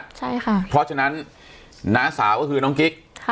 ใช่ค่ะเพราะฉะนั้นน้าสาวก็คือน้องกิ๊ก